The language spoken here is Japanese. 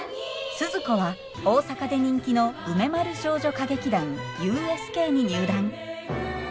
スズ子は大阪で人気の梅丸少女歌劇団ＵＳＫに入団。